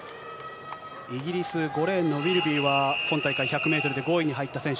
イギリス、５レーンのウィルビーは、今大会１００メートルで５位に入った選手。